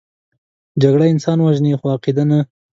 جګړه انسان وژني، خو عقیده نه